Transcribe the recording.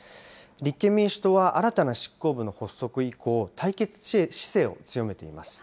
立憲民主党は新たな執行部の発足以降、対決姿勢を強めています。